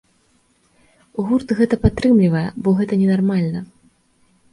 Гурт гэта падтрымлівае, бо гэта ненармальна.